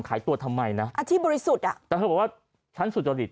ขายตัวทำไมนะอาชีพบริสุทธิ์อ่ะแต่เธอบอกว่าฉันสุจริต